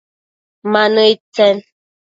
Ma nëid tsen ?